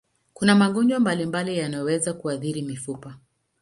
Kuna magonjwa mbalimbali yanayoweza kuathiri mifupa.